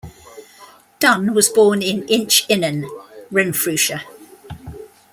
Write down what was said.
Dunn was born in Inchinnan, Renfrewshire.